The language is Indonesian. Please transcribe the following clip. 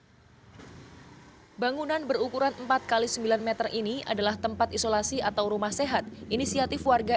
hai bangunan berukuran empat kali sembilan m ini adalah tempat isolasi atau rumah sehat inisiatif warga